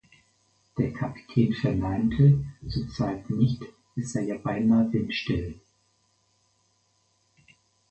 Der Kapitän verneinte, zur Zeit nicht, es sei ja beinah windstill.